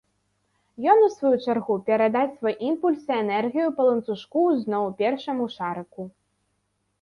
Ён, у сваю чаргу, перадасць свой імпульс і энергію па ланцужку зноў першаму шарыку.